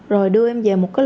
rồi đưa em về một cơ sở